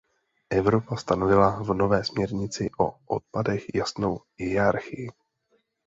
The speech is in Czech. Evropa stanovila v nové směrnici o odpadech jasnou hierarchii.